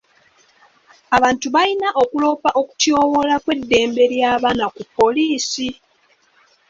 Abantu balina okuloopa okutyoboola kw'eddembe ly'abaana ku poliisi.